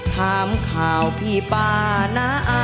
ถามข่าวพี่ป้านะ